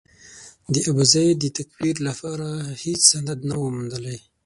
د ابوزید د تکفیر لپاره هېڅ سند نه و موندلای.